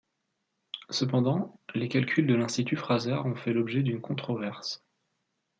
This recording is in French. Cependant, les calculs de l'Institut Fraser ont fait l'objet d'une controverse.